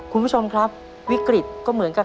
คุณผู้ชมครับวิกฤตก็เหมือนกับ